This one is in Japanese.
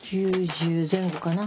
９０前後かな。